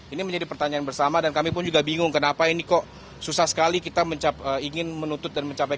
ini menjadi pertanyaan bersama dan kami pun juga bingung kenapa ini kok susah sekali kita mencapai ingin menuntut dan mencapai